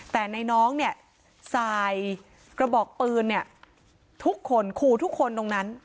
แต่ในน้องเนี่ยสายกระบอกปืนเนี่ยทุกคนขู่ทุกคนตรงนั้น